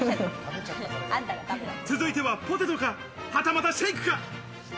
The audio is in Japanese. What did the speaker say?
続いてはポテトか、はたまたシェイクか？